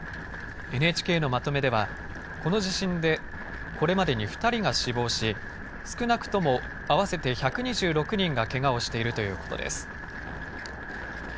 ＮＨＫのまとめではこの地震でこれまでに２人が死亡し少なくとも合わせて１２６人がけがをしているということです。